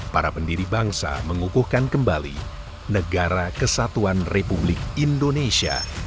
para pendiri bangsa mengukuhkan kembali negara kesatuan republik indonesia